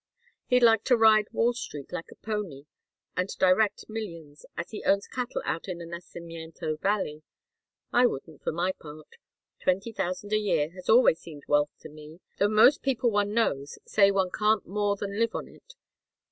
He'd like to ride Wall Street like a pony and direct millions, as he owns cattle out in the Nacimiento Valley. I wouldn't, for my part. Twenty thousand a year has always seemed wealth to me, though most people one knows say one can't more than live on it.